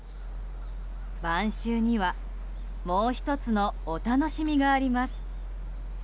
晩秋にはもう１つのお楽しみがあります。